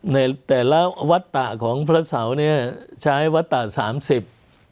ในแต่ละวัตตะของพระเสาเนี้ยใช้วัตตะสามสิบ